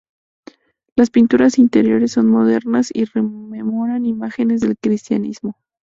Las pinturas interiores son modernas y rememoran imágenes del cristianismo.